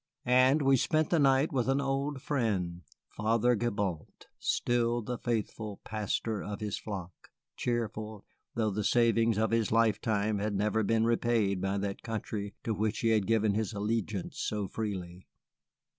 And we spent the night with my old friend, Father Gibault, still the faithful pastor of his flock; cheerful, though the savings of his lifetime had never been repaid by that country to which he had given his allegiance so freely.